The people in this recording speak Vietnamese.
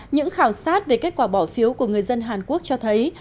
những khảo sát về kết quả bỏ phiếu của người dân hàn quốc cho thấy